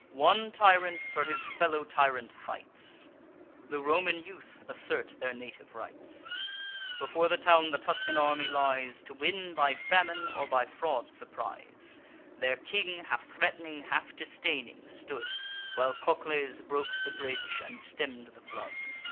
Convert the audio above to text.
One tyrant for his fellow tyrant fights; The Roman youth assert their native rights. Before the town the Tuscan army lies, To win by famine, or by fraud surprise. Their king, half threat'ning, half disdaining stood, While Cocles broke the bridge, and stemm'd the flood.